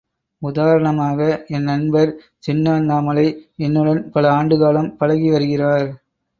உதாரணமாக என் நண்பர் சின்ன அண்ணாமலை என்னுடன் பல ஆண்டுகாலம் பழகி வருகிறார்.